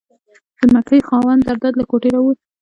د مکۍ خاوند زرداد له کوټې راووت.